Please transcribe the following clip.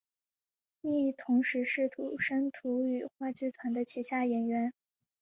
亦同时是土生土语话剧团的旗下演员。